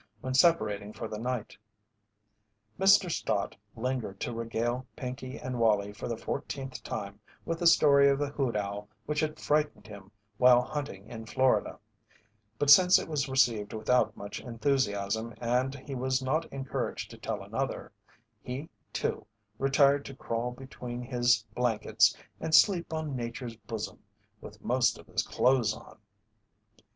when separating for the night. Mr. Stott lingered to regale Pinkey and Wallie for the fourteenth time with the story of the hoot owl which had frightened him while hunting in Florida, but since it was received without much enthusiasm and he was not encouraged to tell another, he, too, retired to crawl between his blankets and "sleep on Nature's bosom" with most of his clothes on.